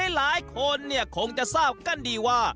หลายคนคงจะทราบกันดีว่า